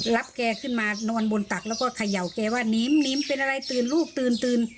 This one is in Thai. รับแกขึ้นมานอนบนตักแล้วก็เขย่าแกว่านิมเป็นอะไรตื่นลูกตื่น